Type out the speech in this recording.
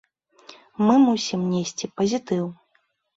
Мы мусім несці пазітыў.